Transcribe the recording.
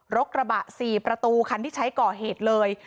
กระบะ๔ประตูคันที่ใช้ก่อเหตุเลย